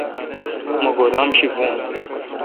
مہ گودام شی بھون۔